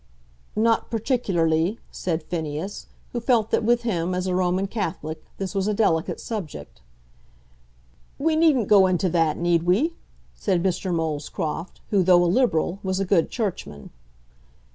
"Not particularly," said Phineas, who felt that with him, as a Roman Catholic, this was a delicate subject. "We needn't go into that, need we?" said Mr. Molescroft, who, though a Liberal, was a good Churchman.